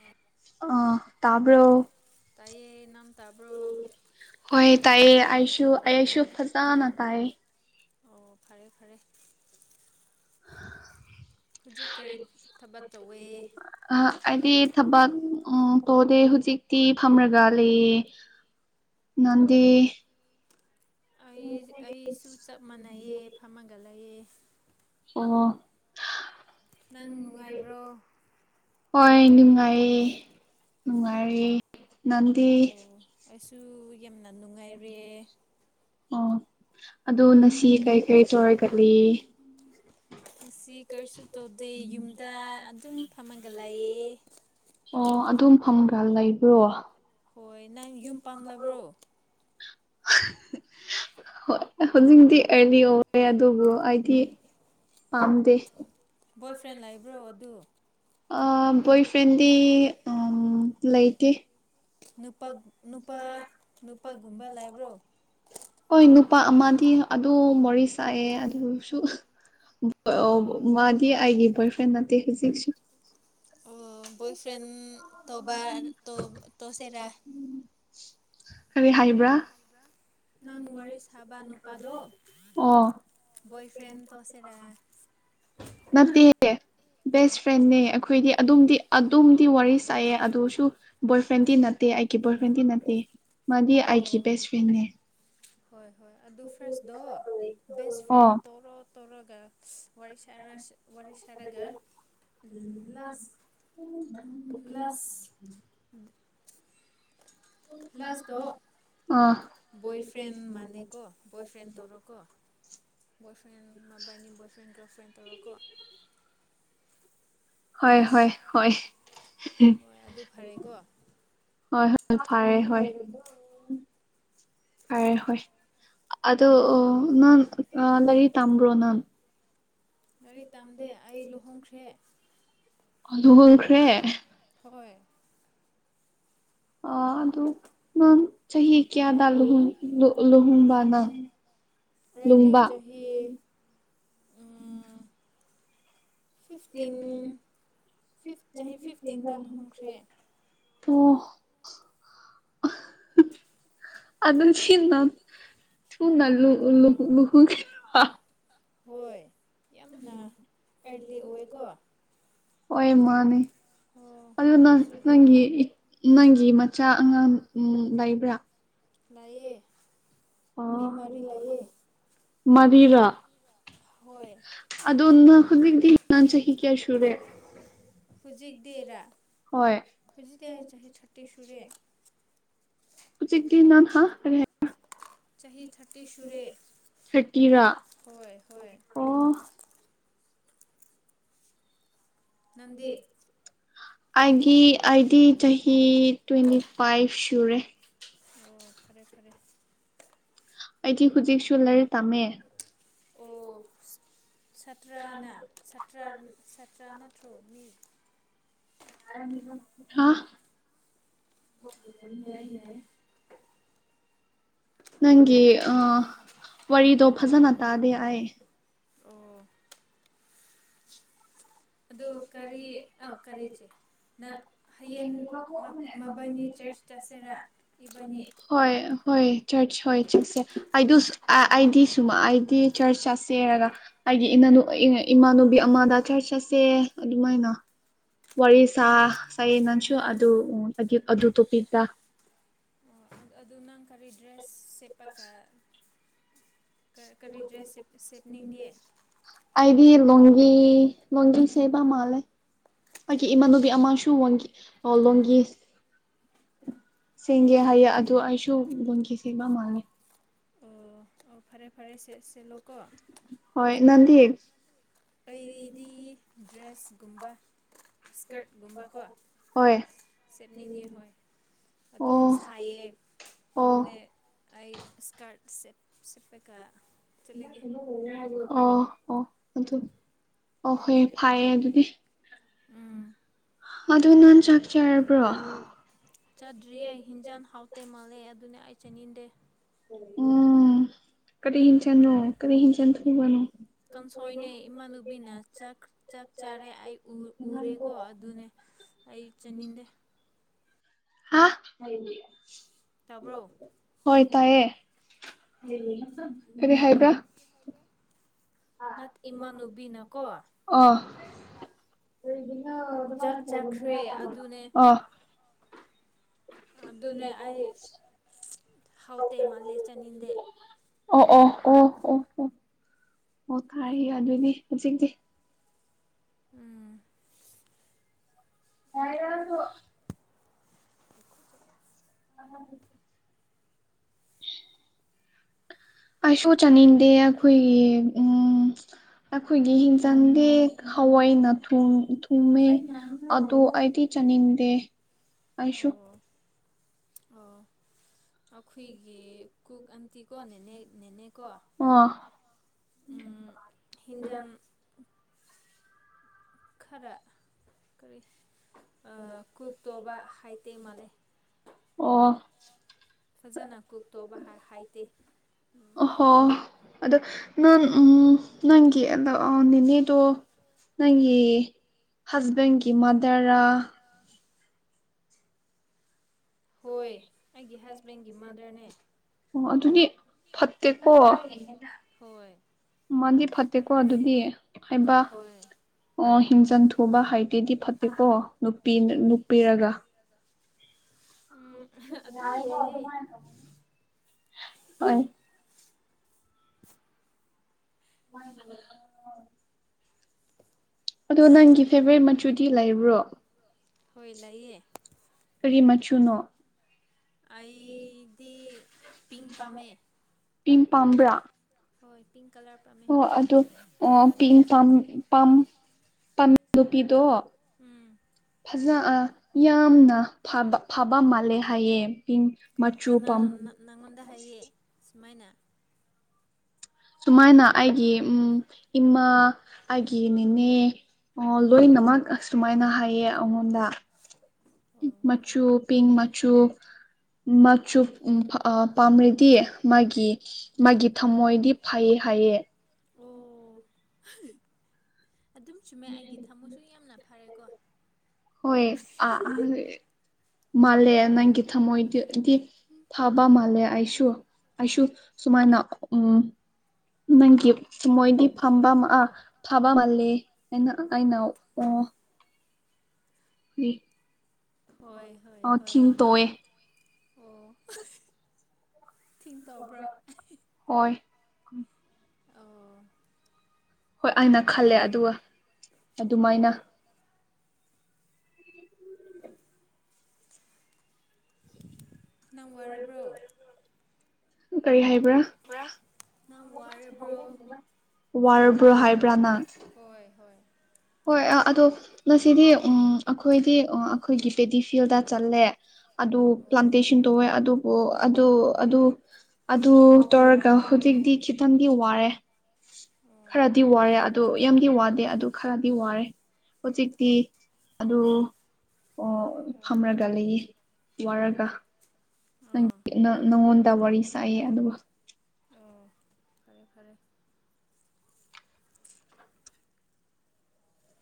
ꯑꯥ ꯑ ꯇꯥꯕꯔꯣ ꯇꯥꯏꯌꯦ ꯅꯪ ꯇꯕ꯭ꯔꯣ ꯍꯣꯏ ꯇꯥꯢꯑꯦ ꯑꯩꯁꯨ ꯑꯩ ꯑꯩꯁꯨ ꯐꯖꯅ ꯇꯥꯛꯑꯦ ꯑꯣ ꯐꯔꯦ ꯐꯔꯦ ꯍꯧꯖꯤꯛ ꯀꯔꯤ ꯊꯕꯛ ꯇꯧꯋꯦ ꯑ ꯍꯥꯏꯗꯤ ꯊꯕꯛ ꯎꯝ ꯇꯧꯗꯦ ꯍꯧꯖꯤꯛꯇꯤ ꯐꯝꯔꯒ ꯂꯩꯌꯦ ꯅꯪꯗꯤ ꯑꯣ ꯑꯩ ꯑꯩꯁꯨ ꯆꯞ ꯃꯥꯟꯅꯩꯑ ꯐꯝꯃꯒ ꯂꯩꯑꯦ ꯑꯣ ꯅꯪ ꯅꯨꯡꯉꯥꯏꯕ꯭ꯔꯣ ꯍꯣꯏ ꯅꯨꯡꯉꯥꯏꯌꯦ ꯅꯨꯡꯉꯥꯏꯋꯦ ꯅꯪꯗꯤ ꯑꯣ ꯑꯩꯁꯨ ꯌꯥꯝꯅ ꯅꯨꯡꯉꯥꯏꯔꯦ ꯑꯣ ꯑꯗꯨ ꯅꯁꯤ ꯀꯩ ꯀꯩ ꯇꯧꯔ ꯂꯩꯋꯦ ꯉꯁꯤ ꯀꯔꯤꯁꯨ ꯇꯧꯗꯦ ꯌꯨꯝꯗ ꯑꯗꯨꯝ ꯐꯝꯃꯒ ꯂꯩꯥꯌꯦ ꯑꯣ ꯑꯗꯨꯝ ꯐꯪꯕ꯭ꯔꯥ ꯂꯩꯕ꯭ꯔꯣ ꯍꯣꯏ ꯅꯪ ꯌꯨꯝ ꯄꯥꯝꯂꯕ꯭ꯔꯣ [unintelligible] ꯍꯣꯏ ꯍꯧꯖꯤꯛꯗꯤ ꯑꯩ ꯑꯣꯏꯔꯦ ꯑꯗꯨꯕꯨ ꯑꯩꯗꯤ ꯄꯥꯝꯗꯦ ꯕꯣꯏ ꯐ꯭ꯔꯦꯟ ꯂꯩꯕ꯭ꯔꯣ ꯑꯗꯨ ꯕꯣꯏ ꯐ꯭ꯔꯦꯟꯗꯤ ꯑꯥ ꯂꯩꯇꯦ ꯅꯨꯄꯥ ꯅꯨꯄꯥ ꯅꯨꯄꯥꯒꯨꯝꯕ ꯂꯩꯕ꯭ꯔꯣ ꯍꯣꯏ ꯅꯨꯄꯥ ꯑꯃꯗꯤ ꯑꯗꯨ ꯋꯥꯔꯤ ꯁꯥꯋꯦ ꯑꯗꯨꯁꯨ ꯃꯥꯗꯤ ꯑꯩꯒꯤ ꯕꯣꯏ ꯐ꯭ꯔꯦꯟ ꯅꯠꯇꯦ ꯍꯧꯖꯤꯛꯁꯨ ꯑꯣ ꯕꯣꯏ ꯐ꯭ꯔꯦꯟ ꯇꯣꯕꯥ ꯇ ꯇꯧꯁꯤꯔꯥ ꯀꯔꯤ ꯍꯥꯏꯕ꯭ꯔꯥ ꯅꯪ ꯋꯥꯔꯤ ꯁꯥꯕ ꯅꯨꯄꯥꯗꯣ ꯑꯣ ꯕꯣꯏ ꯐ꯭ꯔꯦꯟ ꯇꯣꯁꯤꯔꯥ ꯅꯠꯇ ꯕꯦꯁ ꯐ꯭ꯔꯦꯟꯅ ꯑꯩꯈꯣꯏꯗꯤ ꯑꯗꯨꯝꯗꯤ ꯑꯗꯨꯝꯗꯤ ꯋꯥꯔꯤ ꯁꯥꯏꯑꯦ ꯑꯗꯨꯁꯨ ꯕꯣꯏ ꯐ꯭ꯔꯦꯟꯗꯤ ꯅꯠꯇꯦ ꯑꯩꯒꯤ ꯕꯣꯏ ꯐ꯭ꯔꯦꯟꯗꯤ ꯅꯠꯇꯦ ꯃꯥꯗꯤ ꯑꯩꯒꯤ ꯑꯣ ꯕꯦꯁ ꯐ꯭ꯔꯦꯟꯦ ꯍꯣꯏ ꯍꯣꯏ ꯑꯗꯨ ꯐ꯭ꯔꯦꯁꯗꯣ ꯕꯦꯁ ꯐ꯭ꯔꯦꯟ ꯑꯣ ꯇꯣꯔꯣ ꯇꯧꯔꯒ ꯋꯥꯔꯤ ꯁꯥꯟꯅ ꯋꯥꯔꯤꯔꯁꯔꯒ ꯂ ꯎ ꯀ꯭ꯂꯅꯥꯁ ꯎ ꯂ꯭ꯂꯥꯁꯇꯣ ꯑꯥ ꯣꯏꯐ꯭ꯔꯦꯟꯗ ꯃꯥꯅꯤꯀ ꯣꯏꯐ꯭ꯔꯦꯟ ꯇꯔ ꯀ ꯕꯣꯏ ꯐ꯭ꯔꯦꯟ ꯃꯕꯥꯏꯅꯤ ꯕꯣꯏ ꯐ꯭ꯔꯦꯟ ꯒꯔꯜ ꯐ꯭ꯔꯦꯟ ꯇꯧꯔꯣꯀꯣ ꯍꯣꯏ ꯅꯨꯡ ꯍꯣꯏ ꯍ ꯍꯣꯏ ꯍꯣꯏ ꯑꯗꯨ ꯐꯔꯦꯀꯣ ꯍꯣꯏ ꯍꯣꯏ ꯐꯔꯦ ꯍꯣꯏ ꯐꯔꯦ ꯍꯣꯏ ꯑꯗꯣ ꯅꯪ ꯂꯥꯏꯔꯤꯛ ꯇꯝꯕ꯭ꯔꯣ ꯅꯪ ꯒꯥꯔꯤ ꯇꯝꯗꯦ ꯑꯩ ꯂꯨꯍꯣꯡꯈ꯭ꯔꯦ ꯀꯂ ꯍꯜꯈ꯭ꯔꯦ ꯍꯣꯏ ꯑ ꯑꯗꯨ ꯅꯪ ꯆꯍꯤ ꯀꯌꯥꯗꯨꯍ ꯂꯨꯍꯣꯡꯕꯅꯪ ꯔꯥꯏꯗꯤ ꯆ [inaudible] ꯎꯝ ꯐꯤꯐꯇꯤꯟ ꯐꯤꯐ ꯆꯍꯤ ꯐꯤꯐꯇꯤꯟꯗ ꯂꯨꯍꯣꯡꯈ꯭ꯔꯦ ꯇ [inaudible] ꯎ ꯑꯗꯨꯝ ꯁꯤꯤꯅꯝ ꯁꯨꯅ ꯂ ꯂ ꯂ ꯍꯣꯏ ꯌꯥꯝꯅ ꯑꯦꯔꯂꯤ ꯑꯣꯏꯀꯣ ꯑꯣꯏꯣꯏ ꯃꯥꯅꯤ [inaudible] ꯑꯣ ꯑꯗꯨ ꯁꯤ ꯍꯨꯠ ꯅꯪꯒꯤ ꯅꯪꯒꯤ ꯃꯆꯥ ꯑꯉꯥꯡ ꯂꯩꯕ꯭ꯔꯥ ꯂꯌꯦ ꯃꯤꯃꯔꯤ ꯂꯌꯦ ꯃꯔꯤꯔ ꯍꯣꯏ ꯑꯗꯣꯟꯅ ꯍꯗꯤ ꯅꯥꯟ ꯆ ꯍ ꯀꯌꯥꯁꯨꯨꯔꯦ ꯍꯧꯖꯤꯛꯇꯤꯔꯥ ꯍꯣꯏ ꯍꯧꯖꯤꯛꯇꯤ ꯑꯩ ꯆꯍꯤ ꯊꯥꯔꯇꯤ ꯁꯨꯔꯦ ꯎꯆ ꯎꯆꯛꯇ ꯅꯥꯟ ꯍꯥꯔꯦ ꯆꯍꯤ ꯊꯥꯔꯇꯤ ꯁꯨꯔꯦ ꯊꯥꯔꯇꯤꯔꯥ ꯍꯣꯏ ꯍꯣꯏ ꯑꯣ ꯅꯗꯤ ꯑꯩꯒꯤ ꯑꯥꯏꯗꯤ ꯆꯍꯤ ꯇ꯭ꯋꯦꯟꯇꯤ ꯐꯥꯏꯚ ꯁꯨꯔꯦ ꯑꯣ ꯐꯔꯦ ꯐꯔꯦ ꯑꯩꯗꯤ ꯍꯧꯖꯤꯛꯁꯨ ꯂꯥꯏꯔꯤꯛ ꯇꯝꯃꯦ ꯑꯣ ꯠꯇ꯭ꯔꯅꯠꯇ꯭ꯔ ꯁꯠꯇ꯭ꯔꯅꯠꯇ꯭ꯔꯣ ꯃꯤ ꯔ ꯌꯥꯏꯌꯦ ꯌꯥꯏꯌꯦ ꯅꯪꯒꯤ ꯑ ꯋꯥꯔꯤꯗꯣ ꯐꯖꯅ ꯇꯥꯗꯦ ꯍꯥꯏ ꯑꯣ ꯑꯗꯨ ꯀꯔꯤ ꯑꯧ ꯀꯔꯤ ꯆꯦ ꯍꯌꯦꯡ ꯃꯕꯥꯅꯤ ꯆꯔꯆ ꯆꯁꯦꯔꯥ ꯏꯕꯥꯅꯤ ꯍꯣꯏ ꯍꯣꯏ ꯆꯔꯆ ꯍꯣꯏ ꯆꯠꯁꯦ ꯑꯩ ꯑꯩꯗꯤ ꯁꯨꯝꯃꯛ ꯑꯩꯗꯤ ꯆꯔꯆ ꯆꯠꯁꯦꯔꯒ ꯑꯩꯒꯤ ꯏꯃꯥꯟꯅꯨꯕꯤ ꯑꯃꯗ ꯆꯔꯆ ꯆꯠꯁꯦ ꯑꯗꯨꯃꯥꯏꯅ ꯋꯥꯔꯤ ꯁꯥ ꯁꯥꯏꯌꯦ ꯅꯪꯁꯨ ꯑꯗꯨ ꯎ ꯑꯗꯨ ꯇꯣꯄꯤꯛꯂꯥ ꯑꯣ ꯑꯗꯨ ꯅꯪ ꯀꯔꯤ ꯗ꯭ꯔꯦꯁ ꯁꯦꯠꯄꯒ ꯀꯔꯤ ꯗ꯭ꯔꯦꯁ ꯁꯦꯠꯅꯤꯡꯉꯤ ꯑꯩꯗꯤ ꯂꯣꯡꯒꯤ ꯂꯣꯡꯒꯤ ꯁꯦꯠꯕ ꯃꯥꯜꯂꯦ ꯑꯩꯒꯤ ꯏꯃꯥꯟꯅꯕꯤ ꯑꯃꯁꯨ ꯂꯣꯡꯒꯤ ꯁꯦꯝꯒꯦ ꯍꯥꯏꯌꯦ ꯑꯗꯨ ꯑꯩꯁꯨ ꯂꯣꯡꯒꯤ ꯁꯦꯡꯕ ꯃꯥꯜꯂꯦ ꯑꯣ ꯑꯣ ꯐꯔꯦ ꯐꯔꯦ ꯁꯦꯠꯂꯣꯀꯣ ꯍꯣꯏ ꯅꯗꯤ ꯀꯩꯗꯤ ꯗ꯭ꯔꯦꯁꯀꯨꯝꯕ ꯏꯁꯀꯔꯠ ꯀꯨꯝꯕ ꯀꯣ ꯍꯣꯏ ꯁꯦꯠꯅꯤꯡ ꯉꯦ ꯍꯣꯏ ꯑꯗꯨꯝ ꯑꯣ ꯁꯥꯏꯌꯦ ꯑꯣ ꯑꯗꯨꯅꯦ ꯑꯣ ꯑꯩ ꯁꯀꯔꯠ ꯁꯦꯠ ꯁꯦꯠꯕꯒ ꯑꯣ ꯑꯣ ꯑꯗꯨ ꯑꯣ ꯍꯣꯏ ꯐꯥꯏꯌꯦ ꯑꯗꯨꯗꯤ ꯑꯗꯨ ꯅꯪ ꯆꯥꯛꯆꯔꯕ꯭ꯔꯣ ꯆꯥꯇ꯭ꯔꯤꯌꯦ ꯍꯤꯟꯖꯥꯡ ꯍꯥꯎꯇꯦ ꯃꯥꯜꯂꯦ ꯑꯗꯨꯅꯦ ꯑꯩ ꯆꯥꯅꯤꯡꯗꯦ ꯎꯝ ꯀꯔꯤ ꯍꯤꯟꯆꯥꯡꯅꯣ ꯀꯔꯤ ꯍꯤꯟꯆꯥꯡ ꯊꯣꯡꯕꯅꯣ ꯀꯥꯡꯁꯣꯏꯅꯦ ꯏꯃꯥꯟꯅꯕꯤꯅ ꯆꯥꯛ ꯆꯥꯔꯦ ꯑꯩ ꯎꯔꯦꯀꯣ ꯑꯗꯨꯅꯦ ꯑꯩ ꯆꯥꯅꯤꯡꯗꯦ ꯍꯥ ꯇꯥꯕ꯭ꯔꯣ ꯍꯣꯏ ꯇꯥꯏꯌꯦ ꯀꯔꯤ ꯍꯥꯏꯕ꯭ꯔꯥ ꯅꯠ ꯏꯃꯥꯟꯅꯕꯤꯅꯀꯣ ꯑꯣ ꯆꯥꯛ ꯆꯥꯈ꯭ꯔꯦ ꯑꯣ ꯑꯗꯨꯅ ꯑꯩ ꯍꯥꯎꯇꯧ ꯃꯥꯟꯇꯦ ꯆꯥꯅꯤꯡꯗꯦ ꯑꯣ ꯑꯣ ꯑꯣ ꯑꯣ ꯑꯣ ꯑꯣ ꯇꯥꯏꯌꯦ ꯑꯗꯨꯗꯤ ꯍꯧꯖꯤꯛꯇꯤ ꯎꯝ ꯍꯥꯏꯔ [inaudible] ꯑ [inaudible] ꯑꯩꯁꯨ ꯆꯥꯅꯤꯡꯗꯦ ꯑꯩꯈꯣꯏꯒꯤ ꯎ ꯑꯩꯈꯣꯏꯒꯤ ꯍꯤꯡꯖꯥꯡꯗꯤ ꯍꯋꯥꯏ ꯊꯣꯡꯉꯦ ꯑꯗꯣ ꯑꯩꯗꯤ ꯆꯅꯤꯡꯗꯦ ꯑꯩꯁꯨ ꯑ ꯑꯩꯈꯣꯏꯒꯤ ꯀꯨꯛ ꯑꯟꯇꯤꯀꯣ ꯅꯦꯅꯦ ꯅꯦꯅꯦꯀꯣ ꯑ ꯊ ꯎꯝ [unintelligible] ꯍꯤꯟꯖꯥꯡ ꯈꯔ ꯀꯔꯤ ꯀꯨꯛ ꯇꯣꯧꯕ ꯍꯩꯗꯕ ꯃꯥꯜꯂꯦ ꯑꯣ ꯐꯖꯅ ꯀꯨꯛ ꯇꯧꯕ ꯍꯩꯇꯦ ꯍꯣ ꯑꯗꯣ ꯅꯥꯟ ꯎꯝ ꯅꯪꯒꯤ ꯅꯦꯅꯦꯗꯣ ꯅꯪꯒꯤ ꯍꯁꯕꯦꯟ ꯒꯤ ꯃꯗꯔ ꯔꯥ ꯑ ꯍꯣꯏ ꯑꯩꯒꯤ ꯍꯁꯕꯦꯟꯒꯤ ꯃꯥꯗꯔꯅꯦ ꯑꯣ ꯑꯗꯨꯅꯤ ꯐꯠꯇꯦꯀꯣ ꯍꯣꯏ ꯃꯥꯗꯤ ꯐꯠꯇꯦꯀꯣ ꯑꯗꯨꯗꯤ ꯍꯥꯏꯕ ꯍꯣꯏ ꯑꯣ ꯍꯤꯡꯖꯥꯡ ꯊꯣꯡꯕ ꯍꯩꯇꯔꯗꯤ ꯐꯠꯇꯦꯀꯣ ꯅꯨꯄꯤ ꯍꯣꯏ ꯅꯨꯄꯤꯑꯣꯏꯔꯒ ꯎꯝ ꯍ ꯑꯗꯨꯝ ꯌꯥꯏꯌꯦ [inaudible] ꯎ [unintelligible] ꯑꯗꯣ ꯅꯪꯒꯤ ꯐꯦꯚꯣꯔꯥꯠ ꯃꯆꯨꯗꯤ ꯂꯩꯕ꯭ꯔꯣ ꯍꯣꯏ ꯂꯩꯌꯦ ꯀꯔꯤ ꯃꯆꯨꯅꯣ ꯑꯩꯗꯤ ꯄꯤꯡ ꯄꯥꯝꯃꯦ ꯄꯤꯡ ꯄꯥꯝꯕ꯭ꯔꯥ ꯍꯣꯏ ꯄꯤꯡ ꯀꯂꯔ ꯄꯥꯝꯃꯦ ꯑꯣ ꯑꯗꯨ ꯑ ꯄꯤꯡ ꯄꯥꯝ ꯄꯥꯝ ꯅꯨꯄꯤꯗꯣ ꯎꯝ ꯐꯖ ꯌꯥꯝꯅ ꯐꯕ ꯐꯕ ꯃꯥꯜꯂꯦ ꯍꯥꯏꯌꯦ ꯄꯤꯡ ꯃꯆꯨ ꯄꯥꯝ ꯀꯅꯥꯅꯣ ꯅꯪꯉꯣꯟꯗ ꯍꯥꯏꯌꯦ ꯁꯨꯃꯥꯏꯅ ꯁꯨꯃꯥꯏꯅ ꯑꯩꯒꯤ ꯏꯃꯥ ꯑꯩꯒꯤ ꯅꯦꯅꯦ ꯑꯣ ꯂꯣꯏꯅꯃꯛ ꯁꯨꯃꯥꯏꯅ ꯍꯥꯏꯌꯦ ꯑꯩꯉꯣꯟꯗ ꯑꯣ ꯐꯔꯦ ꯃꯆꯨ ꯄꯤꯡ ꯃꯆꯨ ꯃꯆꯨ ꯄꯥꯝꯔꯗꯤ ꯃꯥꯒꯤ ꯃꯥꯒꯤ ꯊꯝꯃꯣꯏꯗꯤ ꯐꯩ ꯍꯥꯏꯌꯦ ꯑꯣ ꯑꯗꯨꯝ ꯆꯨꯝꯃꯦ ꯑꯩꯒꯤ ꯊꯃꯣꯏꯁꯨ ꯌꯥꯝꯅ ꯐꯔꯦꯀꯣ ꯍꯣꯏ ꯑꯥ ꯃꯥꯜꯂꯦ ꯅꯪꯒꯤ ꯊꯝꯃꯣꯏꯗꯗꯤ ꯐꯕ ꯃꯥꯜꯂꯦ ꯑꯩꯁꯨ ꯑꯩꯁꯨ ꯁꯨꯃꯥꯏꯅ ꯎ ꯅꯪꯒꯤ ꯊꯃꯣꯏꯗꯤ ꯐꯕ ꯑ ꯐꯕ ꯃꯥꯜꯂꯦ ꯑꯩꯅ ꯑꯩꯅ ꯑꯣ ꯗꯤ ꯍꯣꯏ ꯍꯣꯏ ꯑꯣ ꯍꯣꯏ ꯊꯤꯡ ꯇꯧꯑꯦ ꯑꯣ ꯊꯤꯡ ꯇꯧꯕ꯭ꯔꯥ ꯍꯣꯏ ꯑꯣ ꯍꯣꯏ ꯑꯩꯅ ꯈꯜꯂꯦ ꯑꯗꯨꯒ ꯑꯣ ꯑꯗꯨꯃꯥꯏꯅ ꯅꯪ ꯋꯥꯔꯕ꯭ꯔꯣ ꯀꯔꯤ ꯍꯥꯏꯕ꯭ꯔꯥ ꯄꯨꯔꯥ ꯅꯪ ꯋꯥꯔꯕ꯭ꯔꯣ ꯋꯥꯔꯕ꯭ꯔꯣ ꯍꯥꯏꯕ꯭ꯔꯥ ꯅꯪ ꯍꯣꯏ ꯍꯣꯏ ꯍꯣꯏ ꯑꯗꯣ ꯉꯁꯤꯗꯤ ꯎꯝ ꯑꯩꯈꯣꯏꯗꯤ ꯑꯩꯈꯣꯏꯒꯤ ꯄꯦꯗꯤ ꯐꯤꯜꯗ ꯆꯠꯂꯦ ꯑꯗꯨ ꯑꯣ ꯄ꯭ꯂꯥꯟꯇꯦꯁꯟ ꯇꯧꯋꯦ ꯑꯗꯨꯕꯨ ꯑꯗꯨ ꯑꯗꯨ ꯑꯗꯨ ꯇꯧꯔꯒ ꯍꯧꯖꯤꯛꯇꯤ ꯈꯤꯇꯪꯗꯤ ꯋꯥꯔꯦ ꯑꯣ ꯈꯔꯗꯤ ꯋꯥꯔꯦ ꯑꯗꯨ ꯌꯥꯝꯗꯤ ꯋꯥꯗꯦ ꯑꯗꯨ ꯈꯔꯗꯤ ꯋꯥꯔꯦ ꯍꯧꯖꯤꯛꯇꯤ ꯑꯗꯨ ꯑꯣ ꯍꯣꯏ ꯍꯣꯏ ꯐꯝꯔꯒ ꯂꯩꯌꯦ ꯋꯥꯔꯒ ꯑꯥ ꯅꯪ ꯅꯪꯉꯣꯟꯗ ꯋꯥꯔꯤ ꯁꯥꯏꯑꯦ ꯑꯗꯨꯒ ꯑ ꯐꯔꯦ ꯐꯔꯦ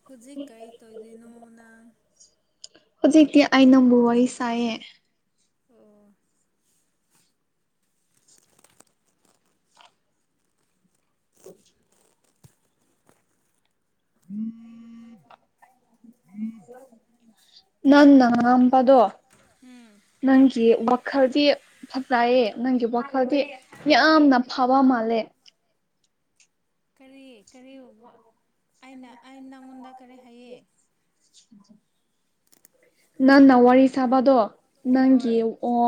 ꯍꯧꯖꯤꯛ ꯀꯔꯤ ꯇꯧꯗꯣꯏꯅꯣ ꯅꯪ ꯍꯧꯖꯤꯛꯇꯤ ꯑꯩ ꯅꯪꯕꯨ ꯋꯥꯔꯤ ꯁꯥꯏꯌꯦ ꯑꯣ [unintelligible] [unintelligible] ꯅꯪꯅ ꯉꯥꯡꯕꯗꯣ ꯎꯝ ꯅꯪꯒꯤ ꯋꯥꯈꯜꯗꯤ ꯐꯠꯖꯩꯌꯦ ꯅꯪꯒꯤ ꯋꯥꯈꯜꯗꯤ ꯌꯥꯝꯅ ꯐꯕ ꯃꯥꯜꯂꯦ ꯀꯔꯤ ꯀꯔꯤ ꯑꯩꯅ ꯑꯩ ꯅꯪꯉꯣꯟꯗ ꯀꯔꯤ ꯍꯥꯏꯌꯦ ꯅꯪꯅꯥ ꯋꯥꯔꯤ ꯁꯥꯕꯗꯣ ꯅꯪꯒꯤ ꯍꯣꯏ ꯑꯣ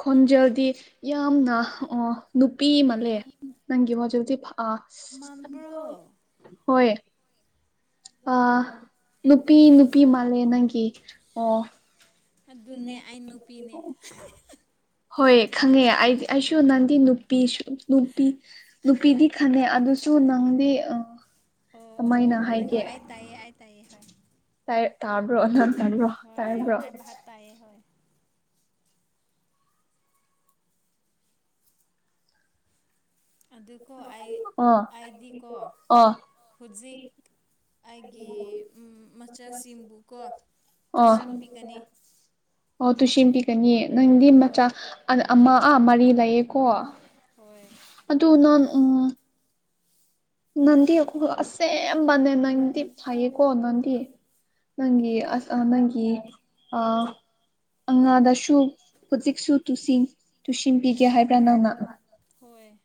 ꯈꯣꯟꯖꯦꯜꯗꯤ ꯌꯥꯝꯅ ꯑꯣ ꯅꯨꯄꯤ ꯃꯥꯂꯦ ꯅꯪꯒꯤ ꯃꯆꯨꯗꯤ ꯐ ꯑ ꯃꯥꯟꯕ꯭ꯔꯣ ꯍꯣꯏ ꯑ ꯅꯨꯄꯤ ꯅꯨꯄꯤ ꯃꯥꯜꯂꯦ ꯅꯪꯒꯤ ꯑꯣ ꯑꯗꯨꯅꯦ ꯑꯩ ꯅꯨꯄꯤꯅꯦ ꯍꯣꯏ ꯈꯪꯉꯦ ꯑꯩ ꯑꯩꯁꯨ ꯅꯪꯗꯤ ꯅꯨꯄꯤꯁꯨ ꯅꯨꯄꯤ ꯅꯨꯄꯤꯗꯤ ꯈꯉꯦ ꯑꯗꯨꯁꯨ ꯅꯪꯗꯤ ꯍ ꯑꯣ ꯀꯃꯥꯏꯅ ꯑꯣ ꯍꯣꯏ ꯍꯣꯏ ꯑꯩ ꯇꯥꯏꯑꯌꯦ ꯑꯩ ꯇꯥꯏꯌꯦꯦ ꯍꯣꯏ ꯇ ꯇꯥꯕ꯭ꯔꯣꯣ ꯇ꯭ꯔꯣ ꯍꯣꯏꯚ ꯇꯥꯏꯑꯦ ꯍꯣꯏ ꯑꯗꯨꯣ ꯑꯩ ꯑꯣ ꯑꯩꯗꯤꯀꯣ ꯑꯣ ꯍꯧꯖꯤꯛ ꯑꯩꯒꯤ ꯃꯆꯥꯁꯤꯡꯕꯨꯀꯣ ꯑꯣ ꯇꯨꯏꯁꯤꯟ ꯄꯤꯒꯅꯤ ꯑꯣ ꯇꯨꯁꯦꯝꯕꯤꯒꯅꯤꯌꯦ ꯅꯪꯗꯤ ꯍꯣꯏ ꯃꯆꯥ ꯑꯃ ꯃꯔꯤ ꯂꯩꯌꯦꯀꯣ ꯍꯣꯏ ꯑꯗꯨ ꯅ ꯅꯟꯗꯤ ꯑꯁ ꯑꯃꯕꯅꯦ ꯅꯟꯗꯤ ꯐꯥꯏꯌꯦꯀꯣ ꯅꯟꯗꯤ ꯅꯪꯒꯤ ꯑꯁ ꯅꯪꯒꯤ ꯑ ꯑꯉꯥꯗꯁꯨ ꯍꯧꯖꯤꯛꯁꯨ ꯇꯨꯁꯤꯟ ꯇꯨꯁꯤꯟꯕꯤꯒꯦ ꯍꯥꯏꯕ꯭ꯔꯥ ꯅꯪꯅ ꯍꯣꯏ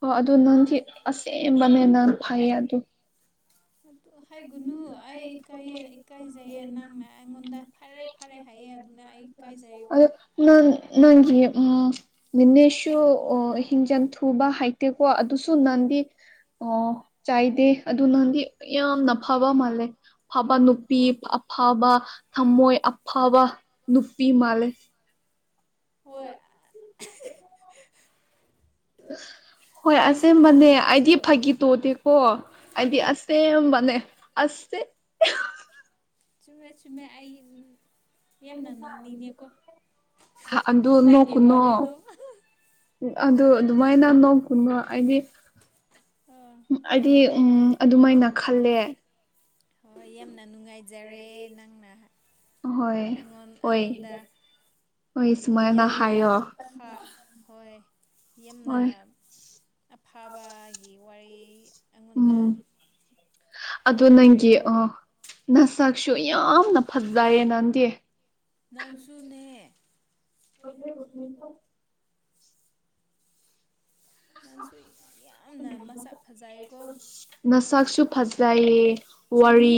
ꯑꯣ ꯑꯗꯨ ꯅꯪꯗꯤ ꯑꯁꯦꯡꯕꯅꯦ ꯅꯥꯟ ꯐꯩꯌꯦ ꯑꯗꯨ ꯑꯗꯨ ꯍ ꯒꯨꯅꯨ ꯑꯩ ꯏꯀꯥꯏꯌꯦ ꯏꯀꯥꯏꯖꯩꯌꯦ ꯅꯪꯅ ꯑꯩꯉꯣꯟꯗ ꯐꯔꯦꯞ ꯐꯔꯦ ꯍꯥꯏꯑꯦ ꯑꯗꯨꯅ ꯑꯩ ꯀꯥꯏꯖꯌꯦꯀꯣ ꯑꯗꯣ ꯅꯪ ꯅꯪ ꯎꯝ ꯅꯦꯅꯦꯁꯨ ꯑꯣ ꯍꯤꯡꯖꯟ ꯊꯨꯕ ꯍꯥꯏꯩꯇꯦꯀꯣ ꯑꯗꯨꯁꯨ ꯅꯥꯟꯗꯤ ꯑꯣ ꯆꯥꯏꯗꯦ ꯑꯗꯨ ꯅꯍꯥꯟꯗꯤ ꯌꯥꯝꯅ ꯐꯕ ꯃꯥꯜꯂꯦ ꯑꯐꯕ ꯅꯨꯄꯤ ꯑꯐꯕ ꯊꯝꯃꯣꯏ ꯑꯐꯕ ꯅꯨꯄꯤ ꯃꯥꯜꯂꯦ ꯍꯣꯏ ꯍꯣꯏ ꯑꯩꯁꯨ ꯑꯁꯕꯅꯦ ꯈꯟꯗꯦ ꯑꯩꯁꯨ ꯑꯩꯗꯤ ꯐꯥꯒꯤ ꯇꯣꯗꯤꯦ ꯍꯣ ꯍꯥꯏꯗꯤ ꯑꯁꯦꯕꯅꯦ ꯑꯁꯦ ꯆꯨꯝꯃꯦ ꯆꯨꯝꯃꯦ ꯑꯩ ꯌꯥꯝꯅ ꯅꯣꯡꯅꯤꯡꯉꯀꯣ ꯑꯗꯨ ꯅꯪꯒꯤ ꯅꯣꯛꯀꯅꯣ ꯋꯥꯔꯤꯔꯤꯗꯣ ꯑꯗꯨ ꯑꯗꯨꯃꯥꯏꯅ ꯅꯣꯡ ꯀꯨꯟꯕ ꯍꯥꯏꯗꯤ ꯑꯥ ꯍꯣꯏ ꯍꯥꯏꯗꯤ ꯍꯣꯏ ꯎꯝ ꯍꯣꯏ ꯑꯗꯨꯃꯥꯏꯅ ꯈꯜꯂꯦ ꯍꯣꯏ ꯌꯥꯝꯅ ꯅꯨꯡꯉꯥꯏ ꯖꯔꯦ ꯍꯣꯏ ꯅꯪꯅꯣꯟ ꯍꯣꯏ ꯑꯩꯉꯣꯟꯗ ꯍꯣꯏ ꯁꯨꯃꯥꯏꯅ ꯌꯥꯝꯅ ꯍꯥꯏꯌꯣ ꯍꯣꯏ ꯌꯥꯝꯅ ꯍꯣꯏ ꯑꯐꯕꯒꯤ ꯋꯥꯔꯤ ꯑꯩꯉꯣꯟꯗ ꯑ ꯅꯪꯒꯤ ꯍꯥꯏꯕꯤꯈ꯭ꯔꯦꯀꯣ ꯑꯣ ꯅꯁꯛꯁꯨ ꯌꯥꯝꯅ ꯐꯖꯌꯦ ꯅꯥꯟꯗꯤ ꯅꯟꯁꯨꯨꯅꯦ ꯀꯦꯁ ꯅꯪꯁꯨ ꯌꯥꯝꯅ ꯃꯁꯥ ꯐꯖꯩꯌꯦꯀꯣ ꯅꯁꯛꯁꯨ ꯐꯖꯩꯌꯦ ꯋꯥꯔꯤ ꯆꯨꯝꯃꯤ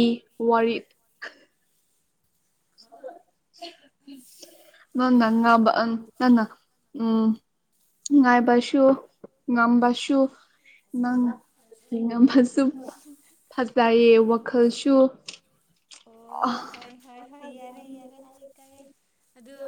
ꯅꯥꯟꯪ ꯅꯪ ꯎꯝ ꯉꯥꯏꯕꯁꯨꯁꯨ ꯉꯝꯕꯥꯁꯨꯁꯨ ꯪ ꯑꯃꯁꯁꯨ ꯐꯖꯩꯌꯦ ꯋꯥꯈꯜꯁꯨ ꯑ ꯑꯣ ꯍꯣꯏ ꯍꯣꯏ ꯍꯣꯏ ꯌꯥꯔꯦ ꯌꯥꯔꯦ ꯑꯩꯇꯥꯔꯦ ꯑꯗꯨ